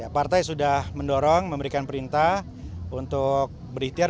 partai sudah mendorong memberikan perintah untuk berikhtiar